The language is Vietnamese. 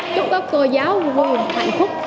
chúc các cô giáo vui hạnh phúc